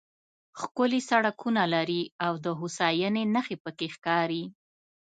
ښکلي سړکونه لري او د هوساینې نښې پکې ښکاري.